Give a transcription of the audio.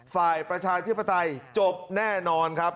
ฝ่ายประชาชีพฤศจบแน่นอนครับ